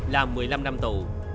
là một mươi năm năm tù